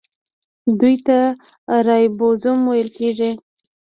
دوی ته رایبوزوم ویل کیږي.